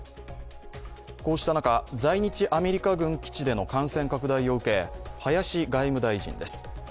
こうした中、在日アメリカ軍基地での感染拡大を受け林外務大臣です。